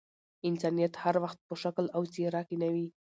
انسانيت هر وخت په شکل او څهره کي نه وي.